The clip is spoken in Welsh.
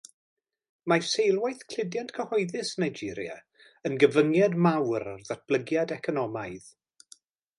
Mae seilwaith cludiant cyhoeddus Nigeria yn gyfyngiad mawr ar ddatblygiad economaidd.